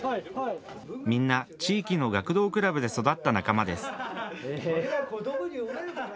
みんな地域の学童クラブで育った仲間です。